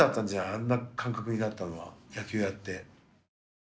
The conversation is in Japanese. あんな感覚になったのは野球やって。